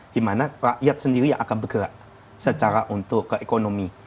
dimana rakyat sendiri yang akan bergerak secara untuk keekonomi